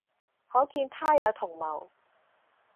可見他也同謀，